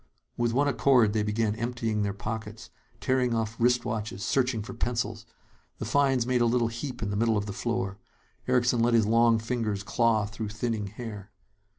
With one accord, they began emptying their pockets, tearing off wristwatches, searching for pencils. The finds made a little heap in the middle of the floor. Erickson let his long fingers claw through thinning hair.